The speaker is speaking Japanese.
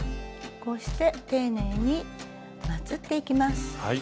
こうして丁寧にまつっていきます。